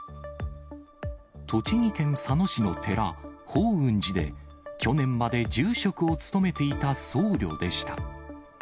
栃木県佐野市の寺、法雲寺で、去年まで住職を務めていた僧侶でした。